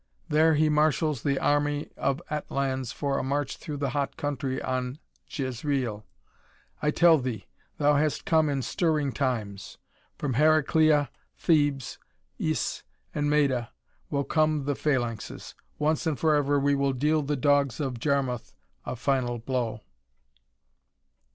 There he marshals the army of Atlans for a march through the hot country on Jezreel. I tell thee, thou hast come in stirring times. From Heraclea, Thebes, Ys and Mayda will come the Phalanxes. Once and forever we will deal the dogs of Jarmuth a final blow."